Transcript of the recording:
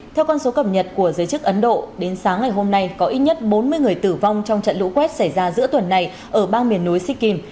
theo con số cập nhật của giới chức ấn độ đến sáng ngày hôm nay có ít nhất bốn mươi người tử vong trong trận lũ quét xảy ra giữa tuần này ở bang miền núi sikkim